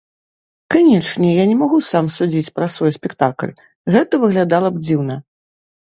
Канечне, я не магу сам судзіць пра свой спектакль, гэта выглядала б дзіўна.